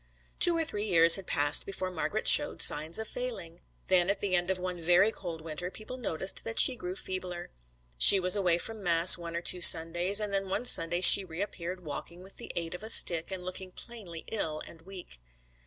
Two or three years had passed before Margret showed signs of failing. Then at the end of one very cold winter people noticed that she grew feebler. She was away from mass one or two Sundays, and then one Sunday she reappeared walking with the aid of a stick and looking plainly ill and weak.